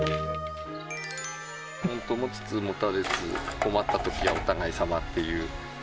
本当に持ちつ持たれつ、困ったときはお互いさまっていう。